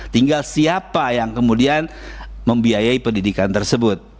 tinggal siapa yang kemudian membiayai pendidikan tersebut